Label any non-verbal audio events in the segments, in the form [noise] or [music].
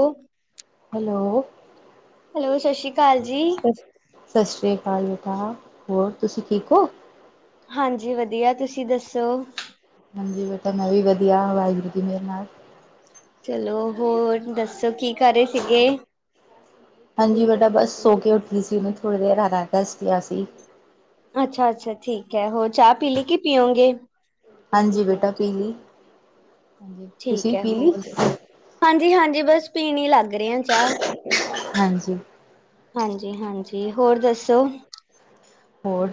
ਓਹ hello hello Shashi ਸ ਸਤਿ ਸ੍ਰੀ ਅਕਾਲ ਬੇਟਾ, ਹੋਰ ਤੁਸੀਂ ਠੀਕ ਓ? ਹਾਂਜੀ ਵਧੀਆ, ਤੁਸੀਂ ਦੱਸੋ? ਹਾਂਜੀ, ਬੇਟਾ ਮੈਂ ਵੀ ਵਧੀਆ, ਵਾਹਿਗੁਰੂ ਜੀ ਦੀ ਮੇਹਰ ਨਾਲ। ਚਲੋ, ਹੋਰ ਦੱਸੋ ਕੀ ਕਰ ਰਹੇ ਸੀਗੇ? ਹਾਂਜੀ ਬੇਟਾ ਬਸ ਸੋ ਕੇ ਉੱਠੀ ਸੀ, ਮਨੂੰ ਥੋੜ੍ਹੀ ਦੇਰ ਆ ਰੈਸਟ ਰਿਹਾ ਸੀ। ਅੱਛਾ-ਅੱਛਾ ਠੀਕ ਐ, ਹੋਰ ਚਾਹ ਪੀ ਲੀ ਕਿ ਪੀਓਂਗੇ? ਹਾਂਜੀ, ਬੇਟਾ ਪੀਲੀ। ਹਾਂਜੀ ਤੁਸੀਂ ਪੀਲੀ? ਹਾਂਜੀ-ਹਾਂਜੀ ਬਸ, ਪੀਣ ਈ ਲੱਗ ਰੇ ਆ ਚਾਹ। ਹਾਂਜੀ। ਹਾਂਜੀ-ਹਾਂਜੀ ਹੋਰ ਦੱਸੋ? ਹੋਰ?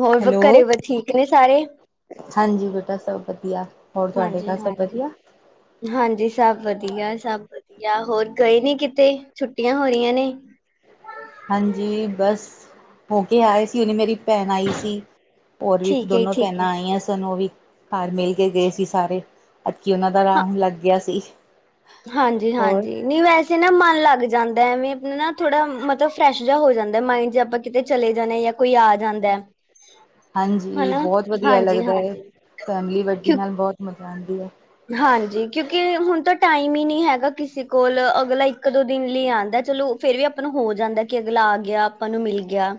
ਹੋਰ ਫ ਹੈਲੋ ਘਰੇ ਵ ਠੀਕ ਨੇ ਸਾਰੇ? ਹਾਂਜੀ, ਬੇਟਾ ਸਭ ਵਧੀਆ, ਹੋਰ ਤੁਹਾਡੇ ਹਾਂਜੀ ਘਰ ਸਭ ਹਾਂਜੀ ਵਧੀਆ? ਹਾਂਜੀ ਸਭ ਵਧੀਆ, ਸਭ ਵਧ ਜਾਂ ਹੋਰ ਗਏ ਨੀ ਕਿਤੇ, ਛੁੱਟੀਆਂ ਹੋ ਰਹੀਆਂ ਨੇ। ਹਾਂਜੀ ਬਸ, ਹੋ ਕੇ ਆਏ ਸੀ, ਉਹਨੇ ਮੇਰੀ ਭੈਣ ਆਈ ਸੀ ਸੀ, ਹੋਰ ਵੀ ਠੀਕ ਹੈ ਦੋਨੋ ਠੀਕ ਹੈ ਭੈਣਾਂ ਹਾਂ ਆਈਆਂ ਸਨ, ਉਹ ਵੀ ਘਰ ਮਿਲ ਕੇ ਗਏ ਸੀ ਸਾਰੇ। ਅੱਚ, ਉਹਨਾਂ ਦਾ ਰਾਊਡ ਲੱਗ ਗਿਆ ਸੀ। ਹੋਰ ਹਾਂਜੀ-ਹਾਂਜੀ। ਨਹੀਂ ਵੈਸੇ ਨਾ ਮਨ ਲੱਗ ਜਾਂਦਾ, ਐਵੇਂ ਆਪਣਾ ਨਾ ਥੋੜਾ ਮਤਲਬ ਫਰੈਸ਼ ਜਿਹਾ ਹੋ ਜਾਂਦਾ, ਮਾਇੰਡ ਜੇ ਆਪਾਂ ਕਿਤੇ ਚਲੇ ਜਾਣੇ ਜਾਂ ਕੋਈ ਆ ਜਾਂਦਾ ਹਾਂਜੀ, ਹਨਾ, ਬਹੁਤ ਵਧੀਆ ਲੱਗਦਾ ਏ। ਹਾਂਜੀ-ਹਾਂਜੀ। ਫੈਮਿਲੀ ਵੱਡੀ ਕਿਉਂ ਨਾਲ ਬਹੁਤ ਮਜ਼ਾ ਆਂਦੀ ਏ। ਹਾਂਜੀ ਕਿਉਂਕਿ, ਹੁਣ ਤਾਂ ਟਾਈਮ ਈ ਨੀ ਹੈਗਾ ਕਿਸੇ ਕੋਲ੍ਹ। ਅਗਲਾ ਇੱਕ-ਦੋ ਦਿਨ ਲਈ ਆਂਦਾ ਚਲੋ, ਫੇਰ ਵੀ ਆਪਾਂ ਨੂੰ ਹੋ ਜਾਂਦਾ ਕਿ ਅਗਲਾ ਆ ਗਿਆ, ਆਪਾਂ ਨੂੰ ਮਿਲ ਗਿਆ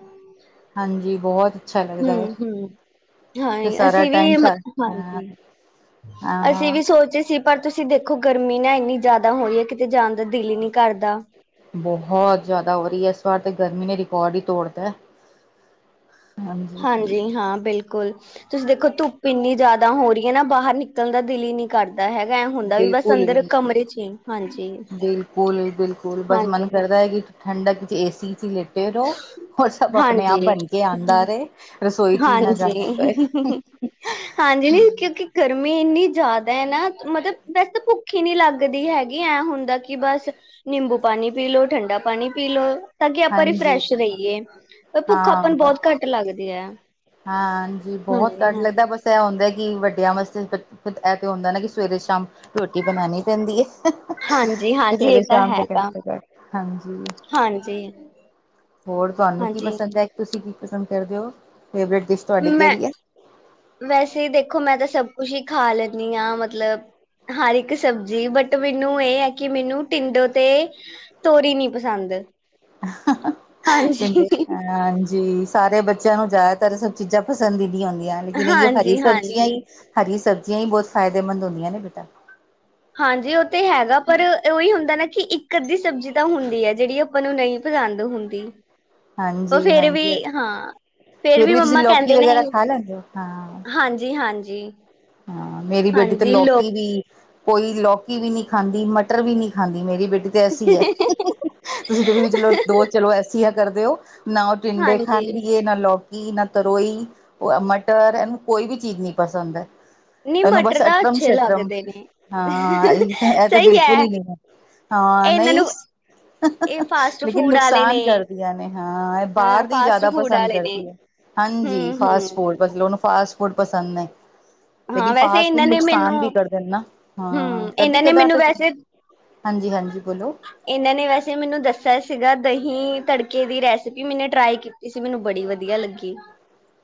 ਹਾਂਜੀ ਬਹੁਤ ਅੱਛਾ ਲੱਗਦਾ ਹੈ। ਹੁੰ-ਹੂੰ। ਤੇ ਹਾਂਜੀ, ਸਾਰਾ ਅਸੀਂ ਟਾਈਮ ਵੀ ਸਰ ਮਤ ਹਾਂ ਹਾਂਜੀ, ਅਸੀਂ ਹਾਂ ਵੀ ਸੋਚਦੇ ਸੀ ਪਰ ਤੁਸੀਂ ਦੇਖੋ, ਗਰਮੀ ਨਾ ਇੰਨੀ ਜ਼ਿਆਦਾ ਹੋ ਰੀ ਐ, ਕਿਤੇ ਜਾਣ ਦਾ ਦਿਲ ਈ ਨਹੀਂ ਕਰਦਾ। ਬਹੁਤ ਜ਼ਿਆਦਾ ਹੋ ਰਹੀ ਹੈ, ਇਸ ਵਾਰ ਤੇ ਗਰਮੀ ਨੇ ਰਿਕਾਰਡ ਈ ਤੋੜਤਾ ਹਾਂਜੀ। ਜੀ ਹਾਂ ਬਿਲਕੁਲ, ਤੁਸੀਂ ਦੇਖੋ ਧੁੱਪ ਇੰਨੀ ਜ਼ਿਆਦਾ ਹੋ ਰੀਐ ਨਾ, ਬਾਹਰ ਨਿਕਲਣ ਦਾ ਦਿਲ ਈ ਨੀ ਕਰਦਾ ਹੈਗਾ, ਐ ਹੁੰਦਾ ਵੀ ਬਸ ਬਿਲਕੁਲ ਅੰਦਰ ਵੀ ਕਮਰੇ 'ਚ ਈ, ਹਾਂਜੀ। ਸਕੂਲ ਬਸ ਹਾਂਜੀ ਮਨ ਹਾਂ ਕਰਦਾ ਕਿ ਠੰਡਕ 'ਚ ਏਸੀ 'ਚ ਲੇਟੇ ਰਹੋ, ਔਰ ਸਭ ਆਪਣੇ-ਆਪ ਹਾਂਜੀ ਬਣ ਕੇ ਆਂਦਾ ਰਹੇ। ਰਸੋਈ 'ਚ ਵੀ ਨਾ ਜਾਣਾ ਪਏ। ਹਾਂਜੀ ਹਾਂਜੀ ਨੀ ਕਿਉਂਕਿ ਗਰਮੀ ਇੰਨੀ ਜ਼ਿਆਦਾ ਏ ਨਾ, ਮਤਬ ਵੈਸੇ ਭੁ ਭੁੱਖ ਨਹੀਂ ਲੱਗਦੀ ਹੈਗੀ, ਐਂ ਹੁੰਦਾ ਕਿ ਬਸ, ਨਿੰਬੂ ਪਾਣੀ ਪੀ ਲੋ, ਠੰਡਾ ਪਾਣੀ ਪੀ ਲੋ। ਤਾਂ ਕਿ ਆਪਾਂ ਹਾਂਜੀ ਰਿਫਰੈਸ਼ ਰਹੀਏ, ਪਰ ਭੁੱਖ ਆਪਾਂ ਨੂੰ ਹਾਂ ਬਹੁਤ ਘੱਟ ਲੱਗਦੀ ਐ। ਹਾਂਜੀ, ਬਹੁਤ ਘੱਟ ਲੱਗਦਾ ਬਸ ਫੇਰ ਐ ਹੁੰਦਾ ਕਿ, ਵੱਡਿਆਂ ਵਾਸਤੇ ਫਿਤ-ਫਿਤ, ਇਹ ਤੇ ਹੁੰਦਾ ਨਾ ਕਿ ਸਵੇਰੇ ਸ਼ਾਮ ਰੋਟੀ ਬਣਾਂਣੀ ਪੈਂਦੀ ਏ, ਹਾਂਜੀ ਹਾਂਜੀ ਇਹ ਸਵੇਰੇ ਤਾਂ ਸ਼ਾਮ ਦੇ ਹੈਗਾ ਘੱਤੋ-ਘਤ, ਹਾਂਜੀ। ਹਾਂਜੀ। ਹੋਰ ਤੁਹਾਨੂੰ ਕੀ ਹਾਂਜੀ ਪਸੰਦ ਐ, ਤੁਸੀਂ ਕੀ ਪਸੰਦ ਕਰਦੇ ਓ? ਫੇਵਰੇਟ ਡਿਸ਼ ਤੁਹਾਡੀ ਮੈਂ, ਕਿਹੜੀ ਹੈ? ਵੈਸੇ ਦੇਖੋ ਮੈਂ ਤਾਂ ਸਭ ਕੁਛ ਹੀ, ਖਾ ਲੈਂਦੀ ਹਾਂ ਮਤਲਬ ਹਰ ਇੱਕ ਸਬਜ਼ੀ, ਬਟ ਮੈਨੂੰ ਇਹ ਹੈ ਕਿ ਮੈਨੂੰ ਟਿੰਡੋ ਤੇ ਤੋਰੀ, ਨਈ ਪਸੰਦ ਹਾਂਜੀ [unintelligible] [inaudible] [inaudible] ਹਾਂਜੀ, ਸਾਰੇ ਬੱਚਿਆਂ ਨੂੰ, ਜ਼ਿਆਦਾਤਰ ਏ ਸਭ ਚੀਜ਼ਾਂ, ਪਸੰਦ ਹੀ ਨਈ ਆਉਂਦੀਆਂ ਲੇਕਿਨ ਇਹ, ਹਰੀ ਹਾਂਜੀ ਸਬਜ਼ੀਆਂ ਹਾਂਜੀ ਹੀ -ਹਰੀ ਸਬਜ਼ੀਆਂ ਹੀ ਬਹੁਤ ਫਾਇਦੇਮੰਦ ਹੁੰਦੀਆਂ ਨੇ ਬੇਟਾ ਹਾਂਜੀ, ਉਹ ਤੇ ਹੈਗਾ ਪਰ ਉਹੀ ਹੁੰਦਾ ਨਾ ਕਿ, ਇੱਕ ਅੱਧੀ ਸਬਜ਼ੀ ਤਾਂ, ਹੁੰਦੀ ਹੈ ਜਿਹੜੀ ਉਹ ਮੈਨੂੰ ਨਹੀਂ ਪਸੰਦ ਹੁੰਦੀ ਉਹ ਹਾਂਜੀ- ਫੇਰ ਹਾਂਜੀ ਵੀ ਹਾਂ ਫੇਰ ਵੀ ਤੁਸੀਂ ਮੰਮਾ ਲੋਕਕੀ, ਕਹਿੰਦੇ ਨੇ ਵਗੈਰਾ ਖਾ ਲੈਂਦੇ ਹੋ ਹਾਂ ਹਾਂਜੀ ਹਾਂਜੀ ਹਾਂ, ਮੇਰੀ ਬੇਟੀ ਤੇ ਹਾਂਜੀ ਲੋਕ ਲੋਕੀ ਵੀ ਕੋਈ ਲੌਕੀ ਵੀ ਨਹੀਂ ਖਾਂਦੀ, ਮਟਰ ਵੀ ਨਹੀਂ ਖਾਂਦੀ, ਮੇਰੀ ਬੇਟੀ ਤੇ ਐਸੀ ਹੈ ਤੁਸੀਂ ਦੇਖ ਚਲੋ, ਦੋ ਚਲੋ ਐਸੀ ਆ ਕਰਦੇ ਹੋ, ਨਾ ਉਹ ਟਿੰਡੇ ਹਾਂਜੀ ਖਾਂਦੀਏ ਨਾ ਲੋ ਈ ਨਾ ਕਰੋ ਈ ਮਟਰ, ਐਨੂੰ ਕੋਈ ਵੀ ਚੀਜ਼ ਨਹੀਂ ਪਸੰਦ ਨਹੀਂ ਇਹਨੂੰ ਮਟਰ ਬਸ, ਤਾਂ ਅੱਟਰਮ ਅੱਛੇ -ਛਟਰਮ ਲੱਗਦੇ ਨੇ ਹਾਂ ਇਹ ਤਾਂ ਸਹੀ ਬਿਲਕੁਲ ਹੈ ਹੀ ਨਹੀਂ ਹਾਂ, ਇਹਨਾਂ ਨਹੀਂ ਨੂੰ ਇਹ ਫਾਸਟ ਲੇਕਿਨ, ਫੂਡ ਵਾਲੇ ਨੁਕਸਾਨ ਨੇ ਕਰਦੀਆਂ ਨੇ, ਹਾਂ ਇਹ ਅ ਬਾਹਰ ਦੀ, ਫਾਸਟ ਜ਼ਿਆਦਾ ਫੂਡ ਪਸੰਦ ਵਾਲੇ ਨੇ ਕਰਦੀ ਹੈ ਹਾਂਜੀ, ਹਮ ਫਾਸਟ- ਫੂਡ ਹਮ ਮਤਲਬ ਉਹਨੂੰ ਫਾਸਟ -ਫੂਡ ਪਸੰਦ ਨੇ ਲੇਕਿਨ, ਹਾਂ ਵੈਸੇ ਫਾਸਟ ਫੂਡ ਇਹਨਾਂ ਨੇ ਮੈਨੂੰ ਨੁਕਸਾਨ ਵੀ ਕਰਦੇ ਨਾ, ਹਾਂ ਹਮ ਇਹਨਾਂ ਕਦੀ ਨੇ -ਕਦਾ ਮੈਨੂੰ ਵੈਸੇ ਹਾਂਜੀ -ਹਾਂਜੀ ਬੋਲੋ ਇਹਨਾਂ ਨੇ, ਵੈਸੇ ਮੈਨੂੰ ਦੱਸਿਆ ਸੀਗਾ, ਦਹੀਂ ਤੜਕੇ ਦੀ ਰੈਸਿਪੀ, ਮੈਨੇ ਟਰਾਈ ਕੀਤੀ ਇਸ ਮੈਨੂੰ, ਬੜੀ ਵਧੀਆ ਲੱਗੀ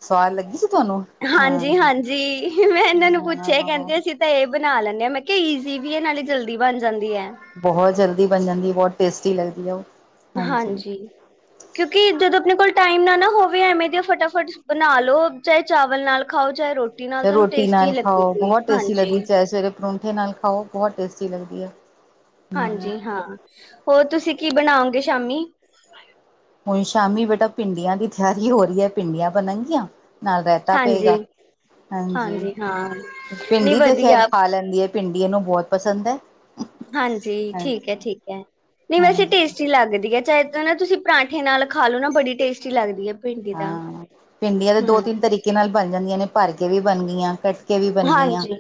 ਸਵਾਦ ਲੱਗੀ ਸੀ, ਤੁਹਾਨੂੰ ਹਾਂ ਹਾਂਜੀ ਹਾਂਜੀ ਮੈਂ ਇਹਨਾਂ ਨੂੰ ਪੁੱਛਿਆ, ਹਾਂ ਕਹਿੰਦੇ ਅਸੀਂ ਤਾਂ ਇਹ ਬਣਾ ਲੈਂਦੇ ਹਾਂ, ਮੈਂ ਕਿਹਾ ਈਜ਼ੀ ਵੀ ਇਹ ਨਾਲੇ, ਜਲਦੀ ਬਣ ਜਾਂਦੀ ਹੈ ਬਹੁਤ ਜਲਦੀ ਬਣ ਜਾਂਦੀ, ਬਹੁਤ ਟੇਸਟੀ ਲੱਗਦੀ ਆ ਉਹ ਹਾਂਜੀ। [unintelligible] ਕਿਉਂਕਿ, ਜਦੋਂ ਆਪਣੇ ਕੋਲ ਟਾਈਮ ਨਾ ਨਾ ਹੋਵੇ, ਐਵੇਂ ਦੀਆਂ ਫਟਾਫਟ ਬਣਾ ਲਓ, ਚਾਹੇ ਚਾਵਲ ਨਾਲ ਖਾਓ ਚਾਹੇ ਰੋਟੀ ਨਾਲ ਚਾਹੇ ਤੁਹਾਨੂੰ ਰੋਟੀ ਟੇਸਟੀ ਨਾਲ ਖਾਓ, ਲੱਗੂਗੀ ਬਹੁਤ ਟੇਸਟੀ ਹਾਂਜੀ ਲੱਗਦੀ ਚਾਹੇ ਸਵੇਰੇ ਪਰੌਠੇ ਨਾਲ ਖਾਓ, ਬਹੁਤ ਟੇਸਟੀ ਲੱਗਦੀ ਆ ਹਾਂਜੀ ਹਾਂ, ਹੋਰ ਤੁਸੀਂ ਕੀ ਬਣਾਓਗੇ ਸ਼ਾਮੀ? ਹੁਣ ਸ਼ਾਮੀ ਬੇਟਾ, ਭਿੰਡੀਆਂ ਦੀ ਤਿਆਰੀ ਹੋ ਰਹੀ ਹੈ, ਭਿੰਡੀਆਂ ਬਣਨਗੀਆਂ ਨਾਲ ਰਹਿਤਾ ਹਾਂਜੀ ਪਏਗਾ, ਹਾਂਜੀ ਨਹੀਂ ਪਿੰਡੀ ਤੇ ਖੈਰ ਵਧੀਆ ਖਾ, ਲੈਂਦੀ ਭਿਡੀ, ਏਨੂੰ ਬਹੁਤ ਪਸੰਦ ਐ ਹਾਂਜੀ, ਠੀਕ ਹੈ -ਠੀਕ ਹੈ ਨਹੀਂ ਵੈਸੇ ਹਾਂਜੀ ਅੱਛੀ ਲੱਗਦੀ ਹੈ, ਚਾਹੇ ਨਾ ਤੁਸੀਂ ਪਰਾਂਠੇ ਨਾਲ ਖਾ ਲਓ ਨਾ ਬੜੀ, ਟੇਸਟੀ ਲੱਗਦੀ ਹੈ ਭਿੰਡੀ ਤਾਂ ਹਾਂ, ਭਿੰਡੀਆਂ ਤੇ ਦੋ- ਹਮ ਤਿੰਨ ਤਰੀਕੇ ਨਾਲ ਬਣ ਜਾਂਦੀਆਂ ਨੇ, ਭਰ ਕੇ ਵੀ ਬਣ ਗਈਆਂ ਕੱਟ ਵੀ ਬਣ ਗਈਆਂ, ਹਾਂਜੀ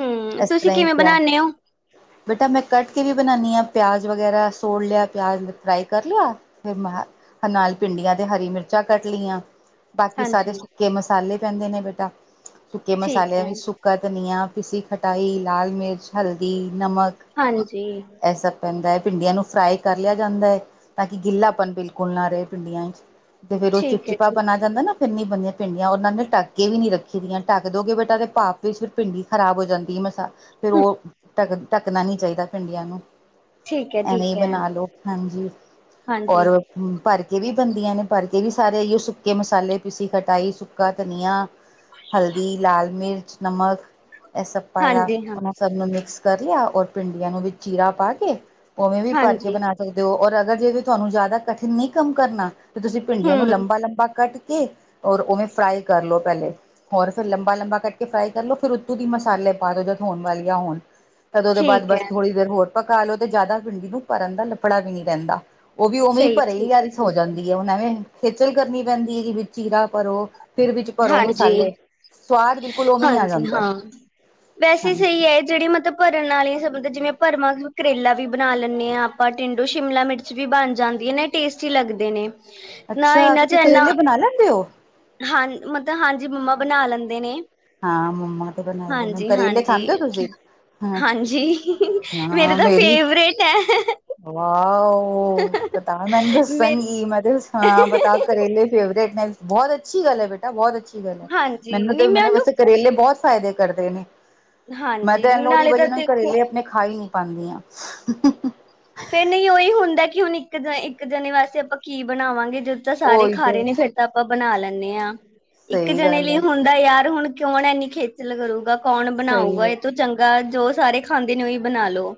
ਹਮ ਇਸ ਤੁਸੀਂ ਤਰ੍ਹਾਂ ਹੀ ਕਿਵੇਂ ਪਿਆ ਬਣਾਉਦੇ ਹੋ ਬੇਟਾ ਮੈਂ, ਕੱਟ ਕੇ ਵੀ ਬਣਾਉਂਦੀ ਹਾਂ, ਪਿਆਜ਼ ਵਗੈਰਾ ਸੋੜ ਲਿਆ, ਪਿਆਜ਼ ਫਰਾਈ ਕਰ ਲਿਆ ਫਿਰ ਮੈ, ਨਾਲ ਭਿੰਡੀਆਂ ਤੇ ਹਰੀ ਮਿਰਚ ਉੱਚਾ ਕੱਟ ਲਈਆਂ, ਬਾਕੀ ਸਾਰੇ ਹਾਂਜੀ ਸੁੱਕਕੇ ਮਸਾਲੇ ਪੈਂਦੇ ਨੇ ਬੇਟਾ ਸੁੱਕੇ ਠੀਕ ਮਸਾਲਿਆਂ ਹੈ ਦੇ ਵਿੱਚ, ਸੁੱਕਾ ਧਨੀਆ, ਪੀਸੀ ਖਟਾਈ, ਲਾਲ ਮਿਰਚ, ਹਲਦੀ, ਨਮਕ ਹਾਂਜੀ। ਇਹ ਸਭ ਪੈਂਦਾ ਹੈ, ਭਿੰਡੀਆਂ ਨੂੰ ਫਰਾਈ ਕਰ ਲਿਆ ਜਾਂਦਾ ਹੈ ਤਾਂ ਕਿ, ਗਿੱਲਾਪਨ ਬਿਲਕੁਲ ਨਾ, ਰਹੇ ਭਿੰਡੀਆਂ 'ਚ ਤੇ ਫੇਰ ਉਹ, ਠੀਕ ਹੈ ਚਿਪਚਿਪਾ ਠੀਕ ਬਣਾ ਕਹਿਦਾ ਨਾ, ਫਿਰ ਨਈ ਬਣੀਆਂ ਭਿਡੀਆਂ ਉਹਨਾਂ ਨੇ ਢੱਕਕੇ ਵੀ ਨਈ ਰੱਖੀ ਦੀਆਂ ਢੱਕ ਦੋਗੇ ਬੇਟਾ ਭਾਫ ਵਿੱਚ ਫਿਰ ਭਿੰਡੀ ਖਰਾਬ ਹੋ ਜਾਂਦੀ ਮਸਾਲ ਫਿਰ ਓ ਢੱਕ ਢੱਕਣਾ ਨੀ ਚਾਹੀਦਾ ਭਿੰਡੀਆਂ ਨੂੰ ਠੀਕ ਹੈ ਐਵੇਂ ਈ ਠੀਕ ਹੈ ਬਣਾ ਲੋ। ਹਾਂਜੀ, ਹਾਂਜੀ, ਔਰ ਭਰ ਕੇ ਵੀ ਬਣਦੀਆਂ ਨੇ। ਭਰ ਕੇ ਵੀ ਸਾਰੇ ਇਈਓ ਸੁੱਕੇ ਮਸਾਲੇ ਪੀਸੀ ਕਟਾਈ ਸੁੱਕਾ ਧਨੀਆ ਹਲਦੀ ਲਾਲ ਮਿਰਚ ਨਮਕ ਇਹ ਸਭ ਪਾਇਆ ਹਾਂਜੀ ਹਾਂ, ਸਭ ਨੂੰ ਮਿਕਸ ਕਰ ਲਿਆ ਔਰ ਭਿੰਡੀਆਂ ਨੂੰ ਵੀ ਚੀਰਾ ਪਾ ਕੇ ਉਵੇਂ ਵੀ ਭਰ ਕੇ ਹਾਂਜੀ ਬਣਾ ਸਕਦੇ ਓ ਔਰ ਅਗਰ ਜੇ ਤੁਹਾਨੂੰ ਕੋਈ ਜ਼ਿਆਦਾ ਕਠਿਨ ਨਈ ਕੰਮ ਕਰਨਾ। ਤੇ ਤੁਸੀਂ ਭਿੰਡੀਆਂ ਨੂੰ ਹੂੰ ਲੰਬਾ ਲੰਬਾ ਕੱਟ ਕੇ ਔਰ ਉਵੇਂ ਫਰਾਈ ਕਰਲੋ ਪਹਿਲੇ। ਹੋਰ ਫਿਰ ਲੰਬਾ ਲੰਬਾ ਕੱਟ ਕੇ ਫਰਾਈ ਕਰ ਲੋ ਫਿਰ ਉੱਤੋਂ ਦੀ ਮਸਾਲੇ ਪਾਦੋ ਜਦ ਹੋਣ ਵਾਲੀਆਂ ਹੋਣ। ਤਦ ਉਹਦੇ ਬਾਅਦ ਠੀਕ ਬਸ ਐ। ਥੋੜ੍ਹੀ ਦੇਰ ਹੋਰ ਪਕਾਲੋ ਤੇ ਜ਼ਿਆਦਾ ਭਿੰਡੀ ਨੂੰ ਭਰਨ ਦਾ ਲੱਪੜਾ ਵੀ ਨੀ ਰਹਿੰਦਾ। ਓ ਵੀ ਉਵੇਂ ਸਹੀ ਭਰੇ ਠੀਕ ਹੀ ਐ, [unintelligible] ਹੋ ਜਾਂ ਠੀਕ ਐ ਐਵੇਂ ਖੇਚਲ ਕਰਨੀ ਪੈਂਦੀ ਐ ਜੀ ਵਿੱਚ ਚੀਰਾ ਭਰੋ ਫਿਰ ਵਿੱਚ ਭਰੋ ਹਾਂਜੀ, ਮਸਾਲੇ। ਸਵਾਦ ਬਿਲਕੁਲ ਉਵੇਂ ਹੀ ਆ ਹਾਂਜੀ ਜਾਂਦਾ ਹੈ। ਹਾਂ, ਵੈਸੇ ਸਹੀ ਹਾਂਜੀ ਐ ਜਿਹੜੀ ਮਤਲਬ ਭਰਨ ਆਲੀਆਂ ਸ ਜਿਵੇਂ ਭਰਵਾਂ ਕਰੇਲਾ ਵੀ ਬਣਾ ਲੈਣੇ ਆ ਆਪਾਂ ਟਿੰਂਡੂ ਸ਼ਿਮਲਾ ਮਿਰਚ ਵੀ ਬਣ ਜਾਂਦੀਆਂ ਨੇ। ਟੇਸਟੀ ਲੱਗਦੇ ਨੇ। ਨਾ ਅੱਛਾ ਇਹਨਾਂ ਚ ਤੁਸੀਂ ਇਨਾ ਕਰੇਲੇ ਬਣਾ ਲੈਂਦੇ ਓ। ਹਾਂ, ਮਤਲਬ ਹਾਂਜੀ ਮੰਮਾ ਬਣਾ ਲੈਂਦੇ ਨੇ। ਹਾਂ, ਮੰਮਾ ਤੇ ਬਣਾਈ ਹਾਂਜੀ, ਕਰੇਲੇ ਹਾਂਜੀ, ਖਾਂਦੇ ਓ ਤੁਸੀਂ? ਹਾਂ ਹਾਂਜੀ ਮੇਰੇ ਹਾਂ ਤਾਂ ਮੇਰੀ ਫੇਵਰੇਟ ਐ। ਵਾਓ ਬਤਾ ਮੈਨੂੰ ਮੇ ਦੱਸੇਗੀ ਹਾਂ ਬਤਾ ਕਰੇਲੇ ਫੇਵਰੇਟ ਨੇ ਬਹੁਤ ਅੱਛੀ ਗੱਲ ਐ ਬੇਟਾ ਬਹੁਤ ਅੱਛੀ ਗੱਲ ਐ ਹਾਂਜੀ ਮੈਨੂੰ ਤੇ ਨੀ ਮੈਂ ਮਤਲਬ ਉਹਨੂੰ ਕਰੇਲੇ ਬਹੁਤ ਫਾਇਦੇ ਕਰਦੇ ਨੇ ਮੈਂ ਹਾਂਜੀ ਤਾਂ [unintelligible] ਦੀ ਨਾਲੇ ਤਾਂ ਵਜ੍ਹਾ ਨਾਲ ਦੇਖੋ ਕਰੇਲੇ ਆਪਣੇ ਖਾਈ ਨੀ ਪਾਂਦੀ ਆ। ਫੇਰ ਨਹੀਂ ਉਹੀ ਹੁੰਦਾ ਕਿ ਹੁਣ ਇੱਕ ਇੱਕ ਜਣੇਂ ਵਾਸਤੇ ਆਪਾਂ ਕੀ ਬਣਾਵਾਂਗੇ। ਜਦੋਂ ਤਾਂ ਸਾਰੇ ਉਹੀ ਖਾ ਰੇ ਤੇ ਨੇ ਫਿਰ ਤਾਂ ਆਪਾਂ ਬਣਾਂ ਲੈਣੇ ਆ ਹਾਂ ਇੱਕ ਸਹੀ ਜਣੇਂ ਗੱਲ ਲਈ ਹੈ ਹੁੰਦਾਂ ਯਾਰ ਹੁਣ ਕੌਣ ਇੰਨੀ ਖੇਚਲ਼ ਕਰੂੰਗਾ ਕੌਣ ਸਹੀ ਬਣਾਊਗਾ ਇਹ ਗੱਲ ਤੋਂ ਚੰਗਾ ਜੋ ਸਾਰੇ ਖਾਂਦੇ ਨੇ ਉਹੀ ਬਣਾਂਲੋ।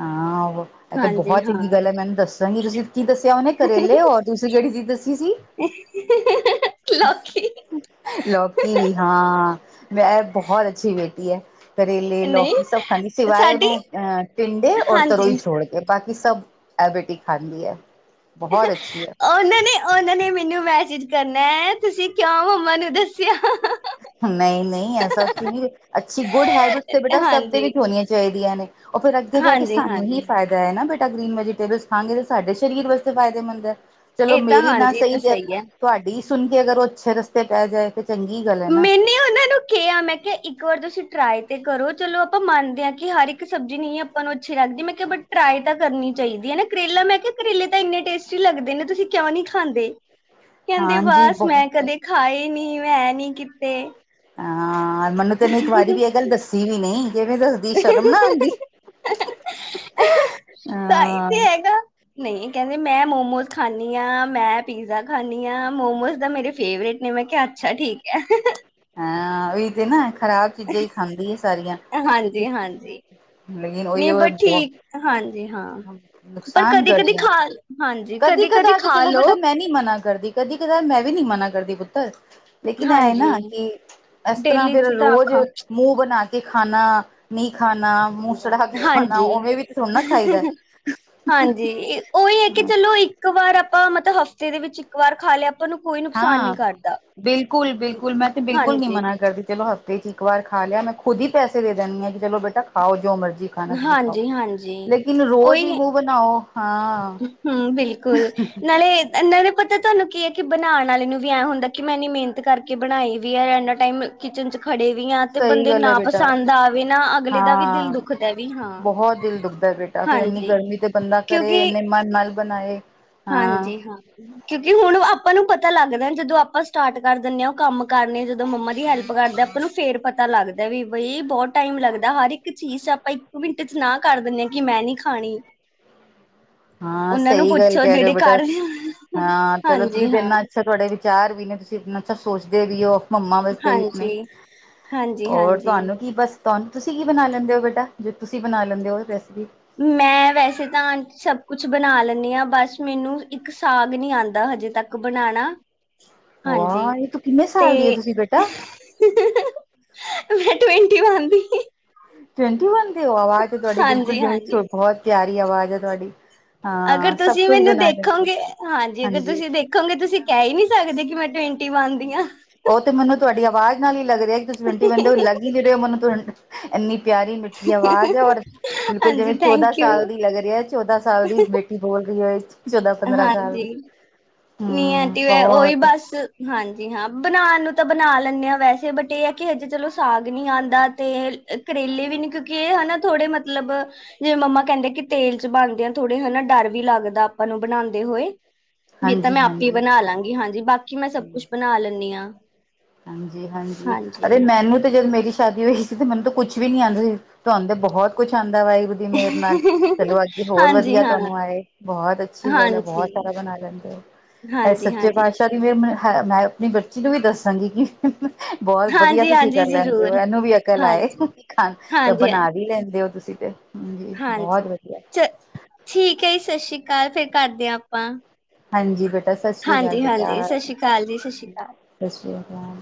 ਹਾਂ, ਇਹ ਤਾਂ ਬਹੁਤ ਹਾਂ ਚੰਗੀ ਗੱਲ ਐ ਮੈਨੂੰ ਦੱਸਾਂਗੀ ਤੁਸੀਂ ਕੀ ਦੱਸਿਆ ਹੁਣੇ ਕਰੇਲੇ ਔਰ, ਤੁਸੀਂ ਕਿਹੜੀ ਚੀਜ਼ ਸੀ ਲੌਕੀ। ਲੌਕੀ ਵੀ ਹਾਂ ਵੈਸੇ ਬਹੁਤ ਅੱਛੀ ਬੇਟੀ ਐ। ਕਰੇਲੇ ਨਹੀਂ ਲੌਕੀ ਸਭ ਖਾਂਦੀ ਸਿਵਾਏ ਸਾਡੀ ਉਹਨੂੰ ਅਹ ਟਿੰਡੇ ਔਰ ਤਰੋਈ ਹਾਂਜੀ ਛੋੜ ਕੇ। ਬਾਕੀ ਸਭ ਏ ਬੇਟੀ ਖਾਂਦੀ ਐ ਬਹੁਤ ਅੱਛੀ ਐ। ਉਹਨਾਂ ਨੇ ਉਹਨਾਂ ਨੇ ਮੈਨੂੰ ਮੈਸੇਜ ਕਰਨਾ ਤੁਸੀਂ ਕਿਉਂ ਮੰਮਾ ਨੂੰ ਦੱਸਿਆ। ਨਈ ਨਈ ਐਸਾ। ਅੱਛੀ ਗੁੱਡ ਹੈਬਿਟਸ ਤੇ ਬੇਟਾ ਸਭ ਦੇ ਹਾਂਜੀ ਵਿੱਚ ਹੋਣੀਆਂ ਚਾਹੀਦੀਆਂ ਨੇ ਓ ਫਿਰ ਅੱਗੇ ਜਾ ਕੇ ਹਾਂਜੀ ਸਾਨੂੰ ਹੀ ਹਾਂਜੀ ਫਾਇਦਾ। ਨਾ ਬੇਟਾ ਗ੍ਰੀਨ ਵੈਜੀਟੇਬਲ ਖਾਣਗੇ ਤੇ ਸਾਡੇ ਸਰੀਰ ਵਾਸਤੇ ਫ਼ਾਇਦੇਮੰਦ ਐ। ਚਲੋ ਇਹ ਤਾਂ ਮੇਰੀ ਨਾ ਹਾਂਜੀ ਇਹ ਤਾਂ ਸਹੀ ਤੇ ਹੈ ਤੁਹਾਡੀ ਸੁਣ ਕੇ ਅਗਰ ਓ ਅੱਛੇ ਰਸਤੇ ਪੈ ਜਾਏ ਤਾਂ ਚੰਗੀ ਗੱਲ ਐ ਨਾ। [inaudible] ਕਿਆ ਮੈਂ ਕਿਆ ਇੱਕ ਵਾਰ ਤੁਸੀਂ ਟਰਾਈ ਤੇ ਕਰੋ ਚਲੋ ਆਪਾਂ ਮੰਨਦੇ ਆ ਕਿ ਹਰ ਇੱਕ ਸਬਜ਼ੀ ਨਈ ਆਪਾਂ ਨੂੰ, ਆਪਾਂ ਨੂੰ ਅੱਛੀ ਲੱਗਦੀ ਮੈਂ ਕਿਹਾ ਟਰਾਈ ਤਾਂ ਕਰਨੀ ਚਾਹੀਦੀ ਐ ਨਾ ਕਰੇਲਾ ਮੈਂ ਕਿਹਾ ਕਰੇਲੇ ਤਾਂ ਇੰਨੇ ਟੇਸਟੀ ਲੱਗਦੇ ਨੇ ਤੁਸੀਂ ਕਿਉਂ ਨੀ ਖਾਂਦੇ। [inaudible] ਕਹਿੰਦੇ ਬਸ ਬਹੁਤ ਮੈਂ ਕਦੇ ਖਾਏ ਨੀ ਮੈਂ ਐ ਨੀ ਕੀਤੇ। ਹਾਂ, ਮੈਨੂੰ ਤੈ ਏਨੇ ਇੱਕ ਵਾਰੀ ਵੀ ਇਹ ਗੱਲ ਦੱਸੀ ਵੀ ਨੀ ਕਿਵੇਂ ਦੱਸਦੀ ਸ਼ਰਮ ਨਾ ਆਂਦੀ। [inaudible] ਤਾਂਈ ਤੇ ਹੈਗਾ। ਨਈ ਕੈਂਦੇ ਮੈਂ ਮੋਮੋਸ ਖਾਨੀ ਆਂ, ਮੈਂ ਪੀਜ਼ਾ ਖਾਨੀ ਆਂ, ਮੋਮੋਜ਼ ਤਾ ਮੇਰੇ ਫੇਵਰੇਟ ਨੇ ਮੈਂ ਕੇਆ ਅੱਛਾ ਠੀਕ ਐ। ਹਾਂ ਓਈ ਤੇ ਨਾ ਖਰਾਬ ਚੀਜ਼ਾਂ ਈ ਖਾਂਦੀ ਏ ਸਾਰੀਆਂ। ਹਾਂਜੀ ਹਾਂਜੀ ਲੇਕਿਨ ਨਹੀਂ ਓਈਓ ਏ ਬਟ ਬੋਤ ਠੀਕ ਹਾਂਜੀ ਹਾਂ ਪਰ ਨੁਕਸਾਨ ਕਦੀ ਕਦੀ ਕਰਦੀਆਂ। ਖਾ ਹਾਂਜੀ ਕਦੀ ਕਦਾਰ ਤੇ ਖਾ ਚਲੋ ਬੇਟਾ ਲੋ ਮੈਂਨੀ। ਮਨਾ ਕਰਦੀ ਕਦੀ ਕਦਾਰ ਮੈਂ ਵੀ ਨੀ ਮਨਾ ਕਰਦੀ ਪੁੱਤਰ ਲੇਕਿਨ ਹਾਂਜੀ ਐਏਨਾ। ਕਿ ਐਸ ਤਰਾਂ ਡੇਲੀ ਫੇਰ ਚ ਤਾਂ ਰੋਜ਼ ਆਖਾਂ ਮੂੰ ਬਨਾ ਕੇ ਖਾਨਾ ਨੀ ਖਾਨਾ। ਹਾਂਜੀ, ਹਾਂਜੀ ਓਈ ਐ ਕਿ ਚਲੋ ਇੱਕ। ਇੱਕ ਵਾਰ ਆਪਾਂ ਮਤਬ ਹਫ਼ਤੇ ਦੇ ਵਿੱਚ ਇੱਕ ਵਾਰ ਖਾਲੇਆ। ਹਾਂ ਬਿਲਕੁਲ-ਬਿਲਕੁਲ ਮੈਂ ਤੇ ਬਿਲਕੁਲ ਨੀ ਹਾਂਜੀ ਮਨਾ ਕਰਦੀ ਚਲੋ। ਹਫਤੇ ਚ ਇੱਕ ਵਾਰ ਖਾਲੇਆ ਮੈਂ ਖੁਦ ਈ ਪੈਸੇ ਦੇ ਦੇਨੀ ਆ ਕਿ ਚਲੋ ਬੇਟਾ ਖਾਓ ਜੋ ਮਰਜ਼ੀ। ਖਾਨਾ ਤੁਸੀ ਖਾਓ ਹਾਂਜੀ ਹਾਂਜੀ ਲੇਕਿਨ ਰੋਜ਼ ਈ ਮੂੰ ਬਨਾਓ ਹਾਂ। ਹੂੰ, ਬਿਲਕੁਲ ਨਾਲੇ। ਐਨਾਂ ਨੀ ਪਤਾ ਤੋਨੂੰ ਕੀ ਐ ਕਿ ਬਨਾਣ ਆਲੇ ਨੂੰ ਵੀ ਐਂ ਹੁੰਦਾ ਕਿਨੀ ਮੇਨਤ ਕਰਕੇ ਬਣਾਈ ਵੀ ਐਨਾਂ ਟਾਈਮ। ਕਿਚਨ ਚ ਖੜੇ ਵੀ ਆ ਤੇ ਸਹੀ ਬੰਦੇ ਗੱਲ ਹੈ ਨਾ ਬੇਟਾ ਪਸਾੰਦ ਆਵੇ ਨਾ ਅਗਲੇ ਦਾ ਵੀ ਦਿਲ ਹਾਂ ਦੁਖਦਾ ਵੀ ਹਾਂ। ਬਹੁਤ ਦਿਲ ਦੁਖਦਾ ਬੇਟਾ ਫ਼ੇਰ ਇੰਨੀ ਹਾਂਜੀ ਗਰਮੀਂ ਤੇ ਬੰਦਾ ਕਰੇ ਕਿਉਂਕਿ ਏਨੇ ਮਨ ਨਾਲ ਬਨਾਏ। ਹਾਂਜੀ, ਹਾਂ। ਕਯੁਂਕਿ ਹੁਣ ਆਪਾਂ ਨੂੰ ਪਤਾ ਲਾੱਗਦਾ ਜਦੋਂ ਆਪਾਂ ਸਟਾਟ ਕਰ ਦੇਂਦੇ ਹਾਂ ਕਾੰਮ ਕਾਰਨੇ ਜਦੋਂ ਮੰਮਾ ਦੀ ਹੈਲਪ ਕਰਦੇਂ ਆ ਆਪਾਂ ਨੂੰ ਫੇਰ ਪਤਾ ਲਾੱਗਦਾ ਵੀ ਬਈ ਬੋਤ ਟਾਈਮ ਲੱਗਦਾ ਹਰ ਇੱਕ ਚੀਜ਼ ਚ ਆਪਾ ਇੱਕ ਮਿੰਟ ਚ ਨਾਲ ਕਾਰ ਦਿਨੇ ਆ ਕਿ ਮੈਂ ਨੀ ਖਾਣੀਂ। ਹਾਂ ਸਈ ਗਾੱਲ ਪੁੱਛੋ ਕੈਰੇ ਹੋ ਜਿਹੜੇ ਬੇਟਾ ਕਰ ਹਾਂ ਚਲੋ ਤੁਸੀ ਹਾਂਜੀ ਤੇ ਹਾਂ ਏਨਾਂ। ਅੱਛਾ ਤੋਆਡੇ ਵਿਚਾਰ ਵੀ ਨੇ ਤੁਸੀ ਐਨਾਂ ਸਭ ਸੋਚਦੇ ਵੀ ਓ। ਮੰਮਾ ਵਾਸਤੇ ਵੀ ਆਪਨੇ ਹਾਂਜੀ ਹਾਂਜੀ ਹੋਰ ਹਾਂਜੀ ਤੋਆਨੂੰ ਕੀ ਬਸ। ਤੋਆਨੂੰ ਤੁਸੀ ਕੀ ਬਨਾ ਲੈਂਦੇ ਓ ਬੇਟਾ ਜੇ ਤੁਸੀ ਬਨਾ ਲੈਂਦੇ ਓ ਰੈਸੇਪੀ। ਮੈਂ ਵੈਸੇ ਤਾਂ ਸਭ ਕੁੱਛ ਬਣਾਂ ਲੈਨੀ ਆਂ ਬਾੱਸ ਮੈਨੂੰ ਇੱਕ ਸਾਗ ਨੀ ਆਂਦਾ ਹਜੇ ਤੱਕ ਬਣਾਣਾ। ਵਾ ਏ ਤੂੰ ਕਿੰਨੇ ਤੇ ਸਾਲ ਦੀ ਤੁਸੀ ਬੇਟਾ। ਮੈਂ ਟਵੈਂਟੀ ਵਨ ਦੀ। ਟਵਂਟੀ ਵਨ ਦੇ ਓ ਆਵਾਜ਼ ਤੋਆਡੀ ਬਿਲਕੁਲ ਹਾਂਜੀ-ਹਾਂਜੀ। [unintelligible] ਬੋਤ ਪੇਆਰੀ ਆਵਾਜ਼ ਆ ਤੋਆਡੀ। ਅਗਰ ਤੁਸੀ ਮੈਨੂੰ ਦੇਖੋਗੇ ਹਾਂਜੀ ਅਗਰ ਤੁਸੀ ਦੇ ਦੇਖੋਗੇ ਤੁਸੀ ਕੈ ਈ ਨੀ ਸਾਕਦੇ ਕਿ ਮੈਂ ਟਵੈਂਟੀ ਵਨ ਦੀ ਆਂ‌। ਓ ਤੇ ਮੈਨੂੰ ਤੁਆਡੀ ਆਵਾਜ਼ ਨਾਲ ਈ ਲੱਗ ਰੇਆ ਕਿ ਤੁਸੀ ਟਵਂਟੀ ਦੇ ਓ ਲੱਗ [unintelligible] ਐਨੀ ਪੇਆਰੀ ਮਿ ਆਵਾਜ਼ ਐ ਓਰ ਬਿਲਕੁਲ ਹਾਂਜੀ ਜਿਵੇਂ ਚੌਦਾਂ ਥੈਂਕ ਯੂ ਸਾਲ ਦੀ ਲੱਗ ਰੇਆ ਚੌਦਾਂ ਸਾਲ ਦੀ ਮਿੱ ਬੋਲ [unintelligible] ਚੌਦਾਂ, ਪੰਦਰਾਂ ਸਾਲ ਹਾਂਜੀ ਦੀ। ਨੀ ਹਮ ਆਂਟੀ ਮੈਂ ਓਈ ਬਹੁਤ ਬਾੱਸ ਹਾਂਜੀ ਹਾਂ ਬਨਾਨ ਨੂੰ ਤਾਂ ਬਨਾ ਲੈਨੇ ਆਂ ਵੈਸੇ ਬਟ ਏ ਐ ਕਿ ਹਜੇ ਚਲੋ ਸਾਗ ਨੀ ਆਂਦਾ ਤੇ ਕਰੇਲੇ ਵੀ ਨੇ ਕਯੁਕਿ ਏ ਹਨਾ ਥੋੜੇ ਮਤਲਬ ਜਿਵੇਂ ਮੰਮਾ ਕੈਂਦੇ ਕਿ ਤੇਲ ਚ ਬਾਨਦੇ ਆ ਥੋੜੇ ਹਨਾ ਡਾਰ ਵੀ ਲਾੱਗਦਾ ਆਪਾ ਨੂੰ ਬਣਾਂਦੇ ਹੋਏ। ਵੀ ਤਾਂ ਹਾਂਜੀ ਮੈਂ ਆਪੇ ਹਾਂਜੀ ਬਨਾ ਲਾਂਗੀ ਹਾਂਜੀ ਬਾਕੀ ਮੈਂ ਸਭ ਕੁਛ ਬਨਾ ਲੈਨੀ ਆਂ। ਹਾਂਜੀ, ਅਰੇ ਮੈ ਮੈਨੂੰ ਤੇ ਜਦ ਮੇਰੀ ਸ਼ਾਦੀ ਹੋਈ ਸੀ ਤੇ ਮੈਨੂੰ ਤਾ ਕੁਛ ਵੀ ਨੀ ਆਂਦਾ ਸੀ, ਤੋਆਨ ਬੋਹਤ ਕੁਛ ਆਂਦਾ ਵਾਏਗੁਰੂ ਦੀ ਮੇਰ ਨਾਲ। ਚਲੋ ਐਤਕੀ ਹੋਰ ਹਾਂਜੀ ਵਦੀਆ ਹਾਂ ਤੋਨੂੰ ਆਏ ਬੋਹਤ ਅੱਛੀ ਗਾੱਲ ਐ ਬੋਹਤ ਸਾਰਾ ਬਨਾ ਲੈਂਦੇ ਓ। ਹਾਂਜੀ-ਹਾਂਜੀ। ਮੈਂ ਆਪਣੀ ਬੱਚੀ ਨੂੰ ਵੀ ਦੱਸਾਂਗੀ ਕਿ ਬਹੁਤ ਵਧੀਆ ਹਾਂਜੀ ਤੁਸੀਂ ਹਾਂਜੀ ਕਰ ਲੈਂਦੇ ਹੋ, ਜ਼ਰੂਰ ਇਹਨੂੰ ਵੀ ਅਕਲ ਆਏ ਹਾਂਜੀ ਖ ਹਾਂਜੀ ਬਣਾ ਹਾਂਜੀ ਵੀ ਲੈਂਦੇ ਔ ਤੁਸੀਂ ਤੇ? ਹਾਂਜੀ ਬਹੁਤ ਹਾਂਜੀ, ਵਧੀਆ ਚ ਠੀਕ ਐ ਜੀ ਸਤਿ ਸ੍ਰੀ ਅਕਾਲ ਫੇਰ ਕਰਦੇ ਆ ਆਪਾਂ। ਹਾਂਜੀ ਬੇਟਾ ਸਤਿ ਸ੍ਰੀ ਅਕਾਲ ਹਾਂਜੀ ਹਾਂਜੀ ਬੇਟਾ, ਸਤਿ ਸ਼੍ਰੀ ਅਕਾਲ ਜੀ ਸਤਿ ਸ਼੍ਰੀ ਅਕਾਲ ਸਤਿ ਸ੍ਰੀ ਅਕਾਲ।